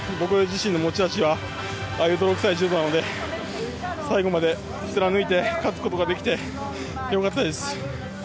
僕自身の持ち味は泥臭い柔道なので最後まで貫いて勝つことができて良かったです。